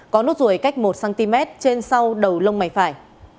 có nốt ruồi cách một cm trên sau đầu lông mày phải